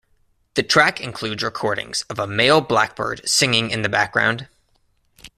The track includes recordings of a male blackbird singing in the background.